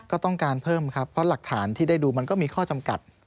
ก็ต้องการเพิ่มครับเพราะหลักฐานที่ได้ดูมันก็มีข้อจำกัด